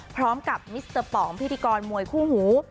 พร้อมกับมิสเตอร์ป๋องพิธีกรมวยคู่หู